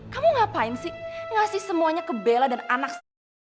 kamu ngapain sih ngasih semuanya ke bella dan anak saya